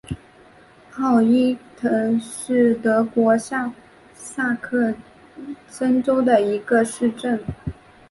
奥伊滕是德国下萨克森州的一个市镇。